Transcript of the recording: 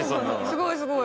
すごいすごい。